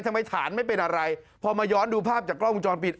ทำไมฐานไม่เป็นอะไรพอมาย้อนดูภาพจากกล้องวงจรปิด